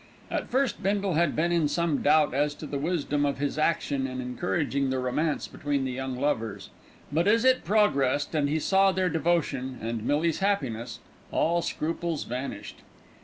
At first Bindle had been in some doubt as to the wisdom of his action in encouraging the romance between the young lovers; but as it progressed and he saw their devotion and Millie's happiness, all scruples vanished.